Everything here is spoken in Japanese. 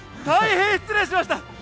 大変失礼しました。